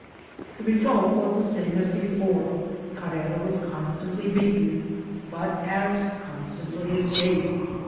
The result was the same as before : Carrera was constantly beaten, but as con# stantly escc^d.